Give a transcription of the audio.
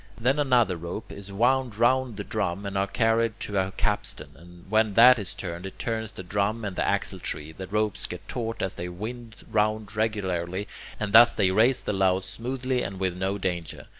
Then another rope is wound round the drum and carried to a capstan, and when that is turned, it turns the drum and the axle tree, the ropes get taut as they wind round regularly, and thus they raise the loads smoothly and with no danger.